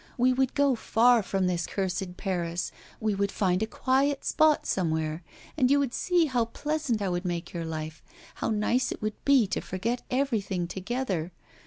We would go far from this cursed Paris, we would find a quiet spot somewhere, and you would see how pleasant I would make your life; how nice it would be to forget everything together!